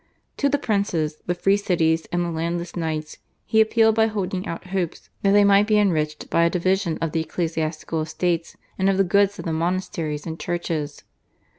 To the princes, the free cities, and the landless knights he appealed by holding out hopes that they might be enriched by a division of the ecclesiastical estates and of the goods of the monasteries and churches.